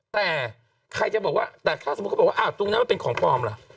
แต่ใครจะบอกว่าแต่ถ้าสมมุติเขาบอกว่าตรงนั้นมันเป็นของปลอมล่ะ